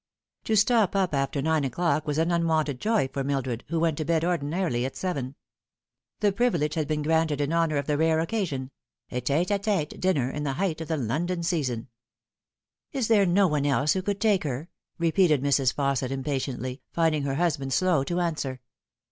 To stop up after nine o'clock was an unwonted joy for Mildred, who went to bed ordinarily at seven. The privilege had been granted in honour of the rare occasion a tete a tete dinner in the height of the London season. " Is there no one else who could take her ?" repeated Mrs. Fausset impatiently, finding her husband slow to answer.